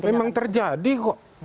memang terjadi kok